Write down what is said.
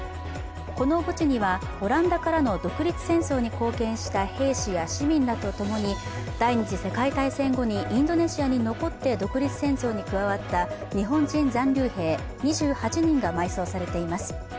この墓地にはオランダからの独立戦争に貢献した兵士や市民らと共に第二次世界大戦後にインドネシアに残って独立戦争に加わった日本人残留兵２８人が埋葬されています。